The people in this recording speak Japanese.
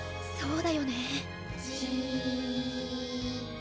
そうだよね。